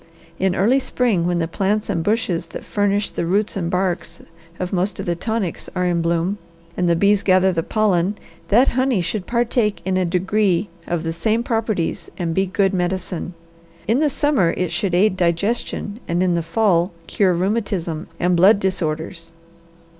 In early spring when the plants and bushes that furnish the roots and barks of most of the tonics are in bloom, and the bees gather the pollen, that honey should partake in a degree of the same properties and be good medicine. In the summer it should aid digestion, and in the fall cure rheumatism and blood disorders."